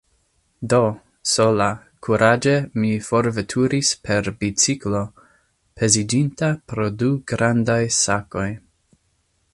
Do, sola, kuraĝe mi forveturis per biciklo, peziĝinta pro du grandaj sakoj.